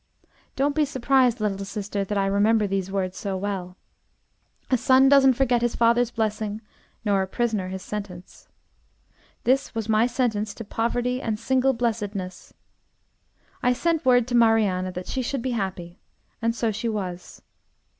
Don't be surprised, little sister, that I remember these words so well. A son doesn't forget his father's blessing, nor a prisoner his sentence. This was my sentence to poverty and single blessedness. I sent word to Marianne that she should be happy and so she was.